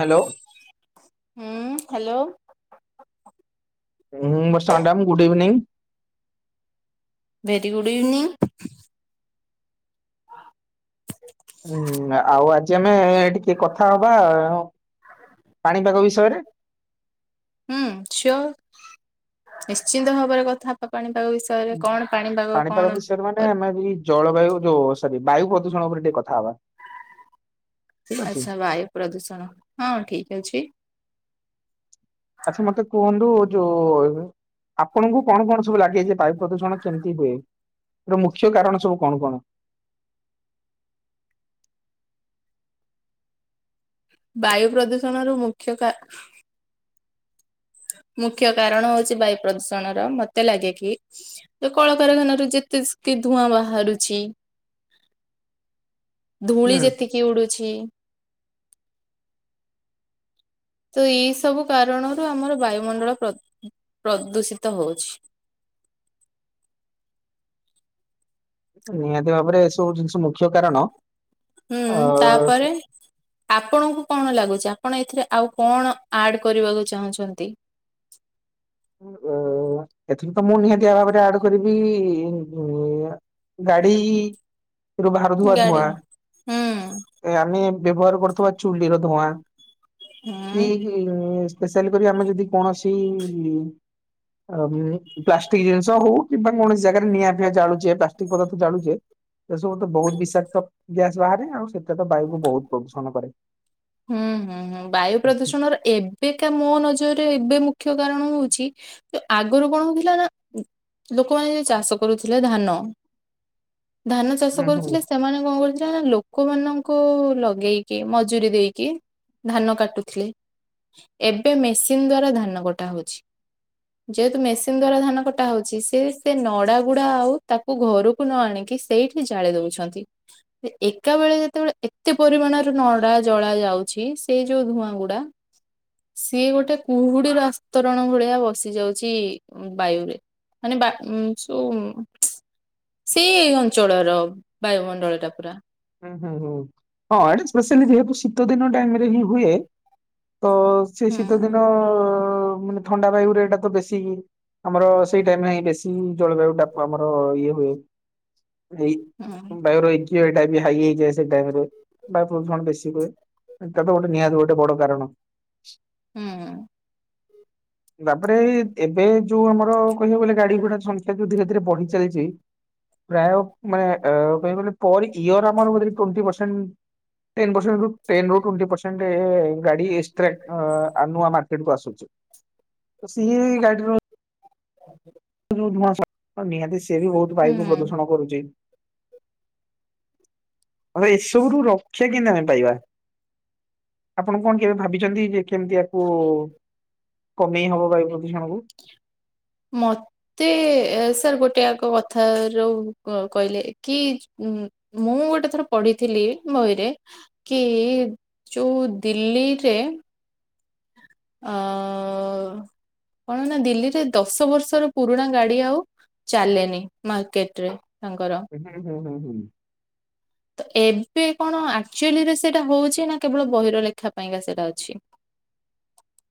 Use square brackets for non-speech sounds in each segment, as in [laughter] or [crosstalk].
Hello. Hello. ଉ ହୁଁ Barsha madam good evening. Very good evening. ହୁଁ ଆଉ ଆଜି ଆମେ ଟିକେ କଥା ହବା ଥରେ। ହୁଁ ସିଓର ନିଶ୍ଚିନ୍ତ ଭାବରେ କଥା ହବା ପାଣିପାଗ ବିଷୟରେ କଣ ପାଣି ପାଣିପାଗ ବିଷୟରେ ମାନେ ଆମେ ବି ଜଳବାୟୁ ଯୋଉ ସରି ବାୟୁ ପ୍ରଦୂଷଣ ଉପରେ ଟିକେ କଥା ହବା। ଠିକ ଅଛି ଆଚ୍ଛା ବାୟୁ ପ୍ରଦୂଷଣ। ହଁ ଠିକ ଅଛି। ଆଚ୍ଛା ମତେ କୁହନ୍ତୁ ଯୋଉ ଆପଣଙ୍କୁ କଣ କଣ ସବୁ ଲାଗେ ଯେ ବାୟୁ ପ୍ରଦୂଷଣ କେମତି ହୁଏ, ଆର ମୁଖ୍ୟ କାରଣ ସବୁ କଣ କଣ? ବାୟୁ ପ୍ରଦୂଷଣର ମୁଖ୍ୟ କାର [inaudible] ମୁଖ୍ୟ କାରଣ ହଉଚି ବାୟୁ ପ୍ରଦୂଷଣ ର ମତେ ଲାଗେ କି କଳକାରଖାନାରୁ ଯେତେ ସ୍କିପ ଧୂଆଁ ବାହାରୁଚି। [inaudible] ଧୂଳି ହୁଁ ଯେତିକି ଉଡୁଛି। ତ ଏଇ ସବୁ କାରଣରୁ ଆମର ବାୟୁମଣ୍ଡଳ ପ୍ରଦୂ ପ୍ରଦୂଷିତ ହଉଛି। [inaudible] ନିହାତି ଭାବରେ ଏ ସବୁ ଜିନିଷ ମୁ ହୁଁ ତାପରେ ଆପଣଙ୍କୁ କଣ ଲାଗୁଚି ଆପଣ ଏଥିରେ ଆଉ କଣ ଆଡ୍ କରିବାକୁ ଚାହୁଁଛନ୍ତି। ଅ ଏଥିରୁ ଧୂଆଁ। ଗାଡି ରୁ ବାହାରୁଥିବା ଗାଡି ଧୂଆଁ, ହୁଁ ଆମେ ବ୍ୟବହାର କରୁଥିବା ଚୁଲିର ଧୂଆଁ ହୁଁ [unintelligible] ସ୍ପେଶାଲ କରି ଆମେ ଯଦି କୌଣସି କି ଆମେ ପ୍ଲାଷ୍ଟିକ ଜିନିଷ ହଉ କିମ୍ବା କୌଣସି ଜାଗାରେ ନିଆଁ ଫିଆଁ ଜାଳୁଚେ, ପ୍ଲାଷ୍ଟିକ ପଦାର୍ଥ ଜାଳୁଚେ ଏସବୁ ରୁ ତ ବହୁତ ବିଷାକ୍ତ ଗ୍ୟାସ ବାହାରେ, ଆଉ ସେଟା ତ ବାୟୁକୁ ବହୁତ ପ୍ରଦୂଷଣ କରେ। ହୁଁ ହୁଁ ହୁଁ ବାୟୁ ପ୍ରଦୂଷଣର ଏବେକା ମୋ ନଜର ତ ଏବେ ମୁଖ୍ୟ କାରଣ ହଉଛି ଆଗୁରୁ କଣ ହଉଥିଲା ନା ଲୋକମାନେ ଯାଇଁ ଚାଷ କରୁଥିଲେ ଧାନ। [inaudible] ଧାନ ଚାଷ ହୁଁ ହୁଁ କରୁଥିଲେ ସେମାନେ କଣ କରୁଥିଲେ ନା ଲୋକମାନଙ୍କୁ ଲଗେଇକି ମଜୁରି ଦେଇ କି ଧାନ କାଟୁଥିଲେ। ଏବେ ମେସିନ ଦ୍ଵାରା ଧାନ କଟା ହଉଛି। ଯେହେତୁ ମେସିନ ଦ୍ଵାରା ଧାନ କଟା ହଉଛି, ସେ ସେ ନଡା ଗୁଡା ଆଉ ତାକୁ ଘରକୁ ନ ଆଣିକି ସେଇଠି ଜାଳି ଦଉଛନ୍ତି, ଏକା ବେଳେ ଯେତେବେଳେ ଏତେ ପରିମାଣର ନଡା ଜଳା ଯାଉଛି ସେଇ ଯୋଉ ଧୂଆଁ ଗୁଡା ସିଏ ଗୋଟେ କୁହୁଡିର ଆସ୍ତରଣ ଭଳିଆ ବସି ଯାଉଛି ବାୟୁରେ। ମାନେ ବା ଉଁ ଚୁଁ। ସେଇ ଅଞ୍ଚଳର ବାୟୁମଣ୍ଡଳ ଟା ପୁରା। ହୁଁ ହୁଁ ହୁଁ ହଁ ଏଇଟା ସ୍ପେସିଆଲି ଯେହେତୁ ଶୀତ ଦିନ ଟାଇମରେ ହିଁ ହୁଏ ତ ସେ ଶୀତ ଦିନ ହୁଁ। ମାନେ ଥଣ୍ଡା ବାୟୁରେ ଏଇଟା ତ ବେଶୀ ଆମର ସେଇ ଟାଇମରେ ହିଁ ବେଶୀ ଜଳବାୟୁ ଟା ଆମର ଇଏ ହୁଏ। ଏଇ ହୁଁ। ବାୟୁର ଏ କ୍ୟୁ ଆଇ ହାଇ ହେଇଯାଏ ସେ ଟାଇମ ରେ ବାୟ ପ୍ରଦୂଷଣ ବେଶୀ ହୁଏ। ଏଟା ତ ଗୋଟେ ନିହାତି ଗୋଟେ ବଡ କାରଣ। ହୁଁ ହୁଁ। ତାପରେ ଏବେ ଯୋଉ ଆମର କହିବାକୁ ଗଲେ ଗାଡି ଘୋଡା ସଂଖ୍ୟା ଯୋଉ ଧୀରେ ଧୀରେ ବଢି ଚାଲିଛି। ପ୍ରାୟ ମାନେ କହିବାକୁ ଗଲେ ପର ଇଅର ଆମର ବୋଧେ ଟ୍ବେଣ୍ଟି ପର୍ସେଣ୍ଟ ଟେନ୍ ରୁ ଟ୍ବେଣ୍ଟି ପରସେଣ୍ଟ ଗାଡ଼ି ଏକ୍ସ୍ତ୍ରାକ୍ଟ ନୂଆ ମାର୍କେଟ କୁ ଆସୁଛି। ତ ସେହି ଗାଡ଼ିର ଯୋଉ ନୂଆ [unintelligible] ନିହାତି ସିଏ ବି ବହୁତ ବାୟୁକୁ ହୁଁ। ପ୍ରଦୂଷଣ କରୁଛି। ଆ ଏସବୁରୁ ରକ୍ଷା କେମତି ଆମେ ପାଇବା? ଆପଣ କଣ କେବେ ଭାବିଛନ୍ତି ଯେ କେମତି ଆକୁ କମେଇ ହବ ବାୟୁ ପ୍ରଦୂଷଣକୁ? ମତେ ସାର୍ ଗୋଟେ ଆଗ କଥାର କହିଲେ କି ମୁଁ ଗୋଟେ ଥର ପଢିଥିଲି ବହିରେ କି ଯୋଉ ଦିଲ୍ଲୀ ରେ ଆହ୍ କଣ ନା ଦିଲ୍ଲୀରେ ଦଶ ବର୍ଷର ପୁରୁଣା ଗାଡି ଆଉ ଚାଲେନି ମାର୍କେଟରେ। ତାଙ୍କର ହୁଁ ହୁଁ ହୁଁ ହୁଁ। ତ ଏବେ କଣ ଆକ୍ଚୁଆଲିରେ ସେଇଟା ହଉଛି ନା କେବଳ ବହିର ଲେଖା ପାଇଁକା ସେଇଟା ଅଛି? [inaudible]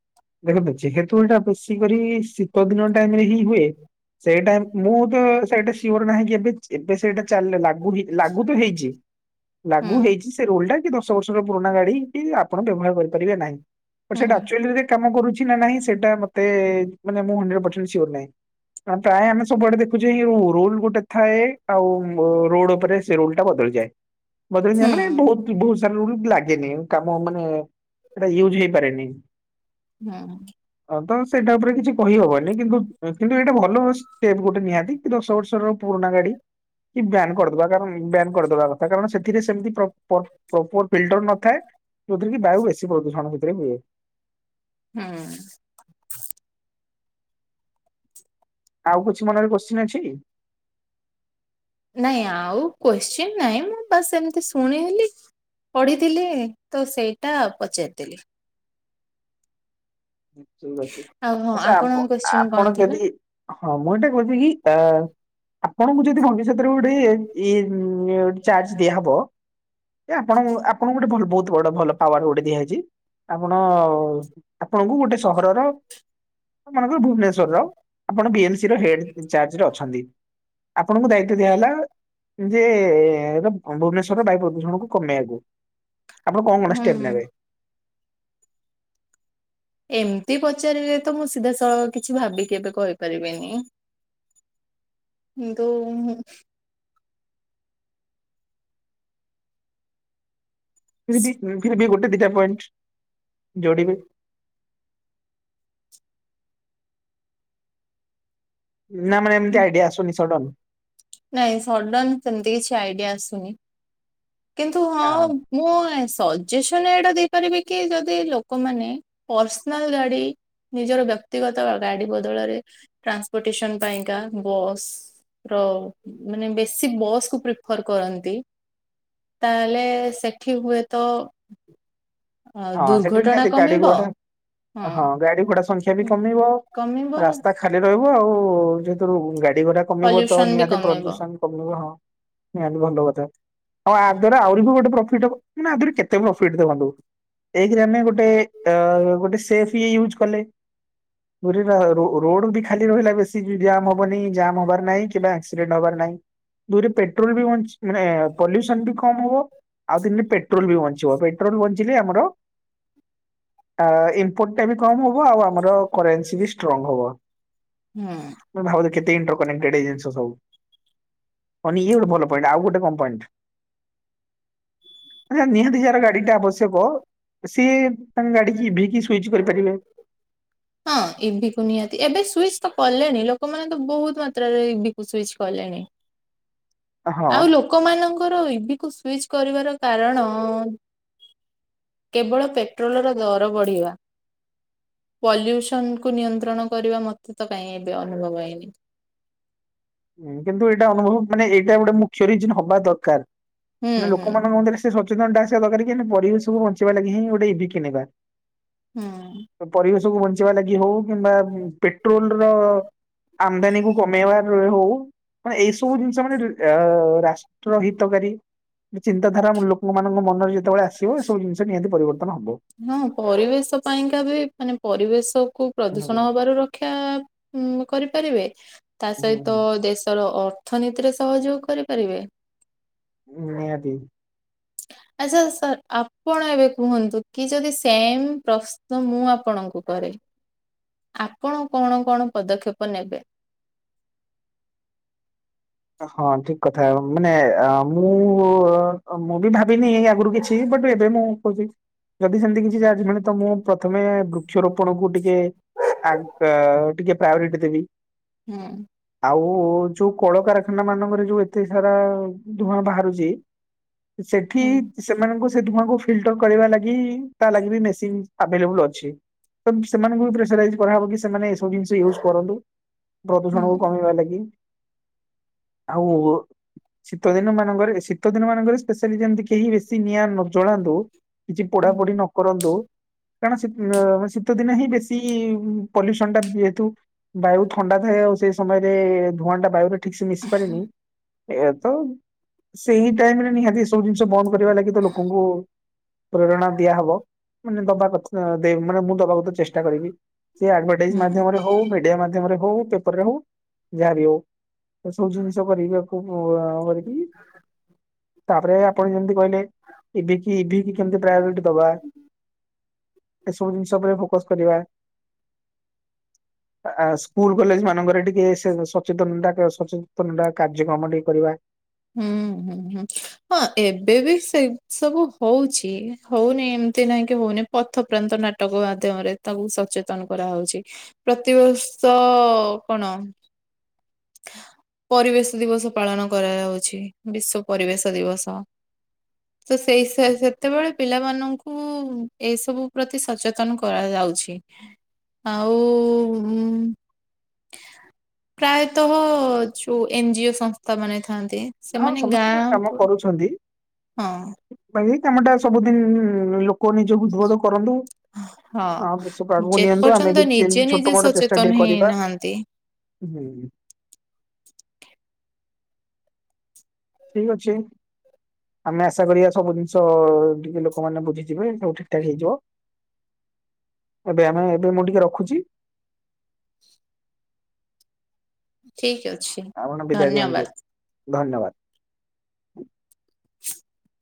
ଦେଖନ୍ତୁ ଯେହେତୁ ଏଇଟା ବେଶୀ କରି ଶୀତ ଦିନ ଟାଇମ ରେ ହିଁ ହୁଏ ସେଇଟା ମୁଁ ତ ସେଇଟା ସିଓର ନାହିଁ କି ଏବେ ଏବେ ସେଇଟା ଚାଲିଲା ଲାଗୁ ଲାଗୁ ଲାଗୁ ତ ହେଉଛି ହୁଁ ଲାଗୁ ହେଉଛି ସେ ରୁଲ୍ ଟା ଦଶ ଦଶ ବର୍ଷର ପୁରୁଣା ଗାଡି ଆପଣ ବ୍ୟବହାର କରିପାରିବେ ନାହିଁ ବଟ୍ ହୁଁ ସେଇଟା ଆକଚୁଆଲିରେ ଲାଗୁ କରୁଛି ନା ନାଇଁ ସେଟା ମତେ ମାନେ ମୁଁ ହଣ୍ଡ୍ରେଡ ପର୍ଶେଣ୍ଟ ସିଓର ନାଇଁ ପ୍ରାୟେ ଆମେ ସବୁ ଆଡ଼େ ଯଉ ଏହି ରୁଲ ଗୋଟେ ଥାଏ ଆଉ ରୋଡ ଉପରେ ସେ ରୂଲ୍ ଟା ବଦଳିଯାଏ। ବଦଳି ଯାଏ ହୁଁ ମାନେ ବହୁତ ବହୁତ ସାରା ରୁଲ ଲାଗେନି କାମ ମାନେ ସେଟା ୟୁଜ୍ ହେଇପାରେନି। ହଁ। ହଁ ତ ସେଇଟା ଉପରେ କିଛି। କହିହବନି କିନ୍ତୁ କିନ୍ତୁ ଏଇଟା ଭଲ ଷ୍ଟେପ ଗୋଟେ ନିହାତି କି ଦଶ ବର୍ଷର ପୁରୁଣା ଗାଡି କି ବ୍ୟାାନ କରିଦବା କାର ବ୍ୟାନ କରିଦବା କଥା କାରଣ ସେଥିରେ ସେମିତି ପ୍ରପର ଫିଲ୍ଟର ନଥାଏ ଯଉଥିରେ କି ବାୟୁ ବେଶୀ ପ୍ରଦୂଷଣ ସେଥିରେ ହୁଏ। ହୁଁ। ଆଉ କିଛି ମନରେ କୋଶ୍ଚିନ୍ ଅଛି କି? ନାଇଁ ଆଉ କୋଶ୍ଚିନ୍ ନାହିଁ ମୁଁ ବସ୍ ଏମତି ଶୁଣେଇଲି। ପଢିଥିଲି ତ ସେଇଟା ପଚାରିଦେଲି। ଠିକ ଅଛି। ଆଉ ହଁ ଆଚ୍ଛା ଆପଣ ଆପଣଙ୍କ କୋଶ୍ଚିନ୍ ଆପଣ କଣ ଥିଲା? ଯଦି ହଁ ମୁଁ ଏଇଟା କହୁଛି କି ଆହ୍ ଆପଣଙ୍କୁ ଯଦି ଘନିଷତରେ ଚଜ ଦିଆହବ ଆପଣ ଆପଣ ଗୋଟେ ଭଲ ବଡ ଭଲ ପାୱାର ଗୋଟେ ଦିଆଯାଇଛି ଆପଣ ଆପଣଙ୍କୁ ଗୋଟେ ସହରର ଆଙ୍କର ଭୁବନେଶ୍ଵରର ଆପଣ ବି ଏମ ସି ର ହେଡ ଇଚଜ ଅଛନ୍ତି। ଆପଣଙ୍କୁ ଦାୟିତଵ ଦିଆହଲା ଯେ ଭୁବନେଶ୍ଵର ବାୟୁ ପ୍ରଦୂଷଣ କୁ କମେଇବାକୁ ଆପଣ କଣ କଟେ ହୁଁ ଷ୍ଟେପ୍ ନେବେ? ଏମିତି ପଚାରିବେ ତ ମୁଁ ସିଧା ସଳଖ କିଛି ଭାବିକି କେବେ କହିପାରିବିନି। ନ୍ତୁ ପିର୍ବି ଫିର୍ବି ଗୋଟେ ଦିଟା ପଏଣ୍ଟ ଯୋଡ଼ିବେ ନା ମାନେ ଏମିତି ଆଇଡିଆ ଆସୁନି ସଡନ। ନାଇଁ ସଡନ ସେମିତି କିଛି ଆଇଡିଆ ସୁନି କିନ୍ତୁ ହଁ ମୁଁ ଆସ୍ ସଜେସନ ଏଇଟା ଦେଇପାରିବି କି ଯଦି ଲୋକମାନେ ପର୍ସନାଲ ଗାଡି ନିଜର ବ୍ୟକ୍ତିଗତ ଗାଡି ବଦଳରେ ଟ୍ରାନ୍ସପୋର୍ଟେସନ ପାଇଁକା ବସ୍ ର ମାନେ ବେଶୀ ବସ୍ ପ୍ରିଫର କରନ୍ତି ତାହେଲେ ସେଠି ହୁଏ ତ ହଁ ସେଠି ବି ନିହାତି ଗାଡି ଘୋଡା ହଁ ଗାଡି ଘୋଡା ସଂଖ୍ୟା ବି କମିବ କମିବ ରାସ୍ତା ଖାଲି ରହିବ ଆଉ ଯୋଉଥିରୁ ଗାଡି ଘୋଡା କମିବ ତ ପଲ୍ୟୁସନ ବି ନିହାତି କମିବ ପ୍ରଦୂଷଣ କମିବ ହଁ ନିହାତି ଭଲ କଥା ଆଉ ୟା ଦ୍ଵାରା ଆହୁରି ବି ଗୋଟେ ପ୍ରଫିଟ ହବ ମାନେ ୟା ଦ୍ଵାରା କେ ତେ ପ୍ରଫିଟ ଦେଖନ୍ତୁ ଏଇଥିରେ ଆମେ ଗୋଟେ ଅ ଗୋଟେ ସେଫି ଇୟୁଜ କଲେ [unintelligible] ରୋଡ ବି ଖାଲି ରହିଲା ବେଶୀ ଜାମ ହବନି ଜାମ ହବାର ନାହିଁ କିମ୍ବା ଆକ୍ସିଡେଣ୍ଟ ହବାର ନାହିଁ। ଦୂରେ ପେଟ୍ରୋଲ ବି ବ୍ ମାନେ ପଲ୍ୟୁସନ ବି କମ ହବ ଆଉ [unintelligible] ପେଟ୍ରୋଲ ବି ବଞ୍ଚିବ ପେଟ୍ରୋଲ ବଞ୍ଚିଲେ ଆମର ଆ ଇମ୍ପୋର୍ଟଟା ବି କମ ହବ ଆଉ ଆମର କରେନ୍ସି ବି ଷ୍ଟ୍ରଙ୍ଗ ହବ। ହୁଁ ମୁଁ ଭାବୁଥିଲି କେତେ ଇଣ୍ଟୋ କନେକ୍ଟେଡ ହେଇଯାଉଚି ଇଏ ଗୋଟେ ଭଲ ପଏଣ୍ଟ ଆଉ ଗୋଟେ କଣ ପଏଣ୍ଟ ଆ ନିହାତି ଯାହାର ଗାଡି ଟା ଆବଶ୍ୟକ ସିଏ ତାଙ୍କ ଗାଡିକି ବି କି ସୁଇଚ କରି ପାରିବେ ହଁ ଇଭିି କୁ ନିହାତି ଏବେ ସୁଇଚ ତ କଲେଣି ଲୋକମାନେ ତ ବହୁତ ମାତ୍ରାରେ ଇଭିି କୁ ସୁଇଚ କଲେଣି ହଁଁ ଆଉ ଲୋକମାନଙ୍କର ଇଭିି କୁ ସୁଇଚ କରିବାର କାରଣ କେବଳ ପେଟ୍ରୋଲର ଦର ବଢ଼ିବା ପଲ୍ୟୁସନକୁ ନିୟନ୍ତ୍ରଣ କରିବା ମତେ ତ କାଇଁ ଏବେ ଅନୁଭବ ହେଇନି। ହୁଁ କିନ୍ତୁ ଏଇଟା ଅନୁଭବ ମାନେ ଏଇଟା ଗୋଟେ ମୁଖ୍ୟ ରିଯିନ ହବା ଦରକାର ହୁଁ ହେଲେ ଲୋକ ମାନଙ୍କ ମଧ୍ୟରେ ସେ ସଚ୍ ସଚେତନ ଟା ଆସିବା ଦରକାର କି ପରିବେଶକୁୁ ବଞ୍ଚେଇ ବା ଲାଗି ହିଁ ଗୋଟେ ଇଭି କିଣିବା। ହୁଁ। ପରିବେଶକୁ ବଞ୍ଚେଇବା ଲାଗି ହଉ କିମ୍ବା ପେଟ୍ରୋଲ ର ହୁଁ। ଆମଦାନୀ କୁ କମେଇବା ହଉ ବା ଏଇ ସବୁ ଜିନିଷ ମାନେ ଆ ରାଷ୍ଟ୍ର ହିତକାରୀ ଚିନ୍ତାଧାରା ଲୋକମାନଙ୍କ ମନରେ ଯେତେବେଳେ ଆସିବ ଏସବୁ ଜିନିଷ ନିହାତି ପରିବର୍ତ୍ତନ ହବ। ହଁ ପରିବେଶ ପାଇଁକା ବି ମାନେ ପରିବେଶ କୁ ହୁଁ ହୁଁ ପ୍ରଦୂଷଣ ହବାରୁ ରକ୍ଷା ଉଁ କରିପାରିବେ ତା ସହିତ ହୁଁ, ଦେଶର ଅର୍ଥନୀତିରେ ସହଯୋଗ କରିପାରିବେ ହୁଁ ନିହାତି। ଆଚ୍ଛା ସାର୍ ଆପଣ ଏବେ କୁହନ୍ତୁ କି ଯଦି ସେମ୍ ପ୍ରଶ୍ନ ମୁଁ ଆପଣଙ୍କୁ କରେ ଆପଣ କଣ କଣ ପଦକ୍ଷେପ ନେବେ? ହଁ ଠିକ କଥା ମାନେ ଆ ମୁଁ ମୁଁ ବି ଭାବ୍ ବିନି ଆଗରୁ କିଛି ବଟ ଏବେ ମୁଁ କହୁଛି ଯଦି ସେମିତି କିଛି ଚାନ୍ସ ମିଳେ ତ ମୁଁ ପ୍ରଥମେ ବୃକ୍ଷରୋପଣ କୁ ଟିକେ ଆଣ୍ଡ ଟିକେ ପ୍ରାୟୋରିଟି ଦେବି ହୁଁ। ଆଉ ଯୋଉ କଳକାରଖାନା ମାନଙ୍କରେ ଯୋଉ ଏତେ ସାରା ଧୂଆଁ ବାହାରୁଛି ସେଠି ହୁଁ ସେମାନଙ୍କୁ ସେ ଧୂଆଁକୁ ଫିଲଟର କରିବା ଲାଗି ତା ଲାଗି ବି ମେସିନ ଆଭେଲେବୁଲ ଅଛି। ତ ସେମାନଙ୍କୁ ବି ପ୍ରେସରାଇଜ୍ କରା ହବ କି ସେମାନେ ଏସ୍ ସବୁ ଜିନିଷ ୟୁଜ କରନ୍ତୁ ହୁଁ ପ୍ରଦୂଷଣ କୁ କମେଇବା ଲାଗି। ଆଉ ଶୀତ ଦିନ ମାନଙ୍କରେ ଶୀତ ଦିନ ମାନଙ୍କରେ ସ୍ପେଶା ଯେମିତି କେହି ବେଶି ନିଆଁ ନ ଜଳାନ୍ତୁ କିଛି ପଢାପଢି ହୁଁ ନ କରନ୍ତୁ କାରଣ ଶୀତଦିନେ ହିଁ ବେଶୀ ଇଁ ଇଁ ପଲ୍ୟୁସନ ଟା ଯେହେତୁ ବାୟୁ ଥଣ୍ଡା ଥାଏ ଆଉ ସେ ସମୟରେ ଧୂଆଁ ଟା ବାୟୁରେ ସେ ମିଶି ପାରିନି ଇଆତ ସେଇ ଟାଇମରେ ନିହାତି ଏହି ସବୁ ଜିନିଷ ବନ୍ଦ କରିବା ଲାଗି ତ ଲୋକଙ୍କୁ ପ୍ରେରଣା ଦିଆହବ ମାନେ ଦବା କଥା ମାନେ ମୁଁ ଦବା ଚେଷ୍ଟା କରିବି ସେ ଆଡଭଟାଇଜ ହୁଁ। ମାମରେ ହୋଉ ମିଡିଆ ମାଧ୍ୟମରେ ହୋଉ ପେପର ରେ ହୋଉ ଯାହା ଵି ହୋଉ ଏ ସବୁ ଜିନିଷ କରିବି। [unintelligible] ତାପରେ ଆପଣ ଯେମତି କହିଲେ ଇଭି କି ଇଭି କି କେମତି ପ୍ରାୟୋରିଟି ଦବା ଏସବୁ ଜିନିଷ ଉପରେ ଫୋକସ୍ କରିବା। [inaudible] [inaudible] ଆ ସ୍କୁଲ କଲେଜ ମାନଙ୍କରେ ଟିକେ ସଚେତନତା ସଚେତନ କାର୍ଯ୍ୟକ୍ରମ ଟିକେ କରିବା। ହୁଁ ହୁଁ ହୁଁ ହଁ ଏବେ ବି ସେଇ ସବୁ ହୋଉଛି ହୋଉନି ନୁଁ ତି ନହିଁ କି ହଉନି ପଥ ପ୍ରାନ୍ତ ନାଟକ ମାଧ୍ୟମରେ ତାକୁ ସଚେତନ କରାହୋଉଛି ପ୍ରତିବର୍ ତ କଣ [inaudible] ପରିବେଶ ଦିବସ ପାଳନ କରାଯାଉ ଛି ବିଶ୍ୱ ପରିବେଶ ଦିବସ। ତ ସେଇ ସେତେବେଳେ ପିଲା ମାନଙ୍କୁ ଏଇ ସବୁ ପ୍ରତି ସଚେତନ କରାଯାଉ ଉଛି ଆଉ ଉଁ ମ୍ ମ୍ ମ୍ [inaudible] ପ୍ରାୟତଃ ଯୋଉ ଏନଜି ଓ ସଂସ୍ଥା ମାନେ ଥାନ୍ତି ହଁ ସେମାନେ ସମସ୍ତେ ଗାଁ କାମ ପ- କରୁଛନ୍ତି ହଁ [inaudible] ଏଇ କାମ ଟା ସବୁଦିନ ଉଁ ଲୋକ ନିଜକୁ ଉଦ୍ବୋଢ କରନ୍ତୁ ହଁ ବଶ କାକୁ ନିଅନ୍ତୁ ଆମେ ଯେପର୍ଯ୍ୟନ୍ତ ବି ନିଜେ ଏମତି ନିଜେ ଛୋଟ ମୋଟ ଚେଷ୍ଟା ସଚେତନ ଟିକେ କରିବା ହେଇନାହାନ୍ତି ହୁଁ। ଠିକ ଅଛି [inaudible] ଆମେ ଆଶା କରିବା ସବୁ ଜିନିଷ ଟିକେ ଲୋ କମାନୋନ ବୁଝିଯିବେ ଠିକ ଠାକ ହେଇଯିବ ଏବେ ଆମେ ଏବେ ମୁଁ ଟିକେ ର ଖୁଛି। [inaudible] ଠିକ୍ ଅ ଆପଣ ବିଦାୟ ଦିଅନ୍ତୁ ଧନ୍ୟବାଦ। [unintelligible]